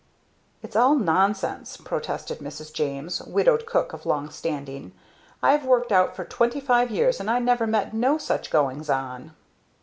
"It's all nonsense," protested Mrs. James, widowed cook of long standing. "I've worked out for twenty five years, and I never met no such goings on!"